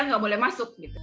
nggak boleh masuk gitu